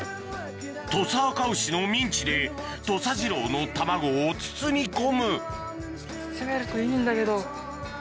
土佐あかうしのミンチで土佐ジローの卵を包み込む包めるといいんだけど。